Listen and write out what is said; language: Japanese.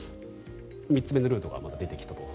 ３つ目のルートが出てきたと。